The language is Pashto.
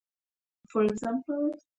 ده د کار د ښه والي ارزونه کوله.